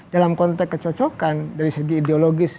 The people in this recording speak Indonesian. dalam konteks kecocokan dari segi ideologis